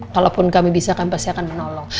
kalaupun kami bisa kami pasti akan menolong